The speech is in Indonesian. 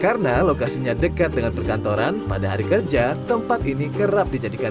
karena lokasinya dekat dengan perkantoran pada hari kerja tempat ini kerap dijadikan